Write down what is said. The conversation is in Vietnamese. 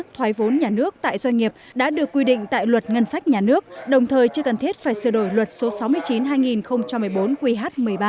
thoái vốn nhà nước tại doanh nghiệp đã được quy định tại luật ngân sách nhà nước đồng thời chưa cần thiết phải sửa đổi luật số sáu mươi chín hai nghìn một mươi bốn qh một mươi ba